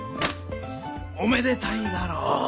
おめでたいだろう？